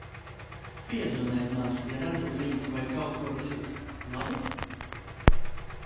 Piezvaniet man, ja redzat viņu vai kaut ko dzirdat, labi?